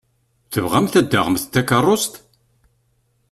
Tebɣamt ad d-taɣemt takeṛṛust.